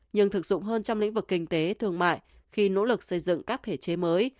nhưng thực dụng hơn trong lĩnh vực kinh tế thương mại khi nỗ lực xây dựng các thể chế mới